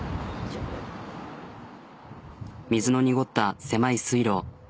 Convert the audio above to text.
水の濁った狭い水路。